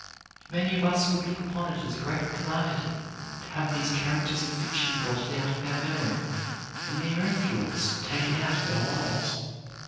Many of us would look upon it as a great calamity to have these characters of fiction blotted out of our memory and their influence taken out of our lives.